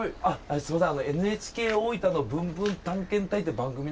すいません。